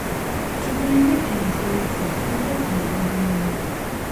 Tugende e Ntwetwe tulabe ku bye balimayo.